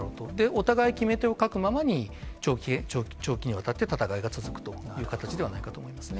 お互い決め手を欠くままに、長期にわたって戦いが続くという形ではないかと思いますね。